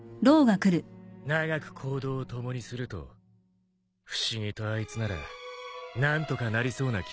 長く行動を共にすると不思議とあいつなら何とかなりそうな気がしてくる。